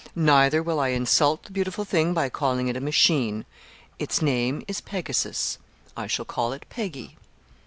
Neither will I insult the beautiful thing by calling it a 'machine.' Its name is Pegasus. I shall call it 'Peggy.'"